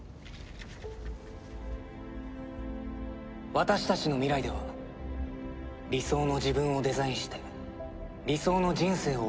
「私たちの未来では理想の自分をデザインして理想の人生を謳歌する」